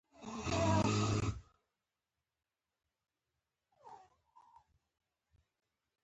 ټیټ عاید لرونکي مالي توان نه لري.